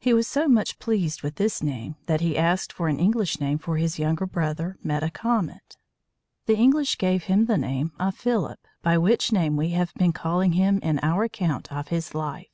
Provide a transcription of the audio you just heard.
He was so much pleased with this name that he asked for an English name for his younger brother, Metacomet. The English gave him the name of Philip, by which name we have been calling him in our account of his life.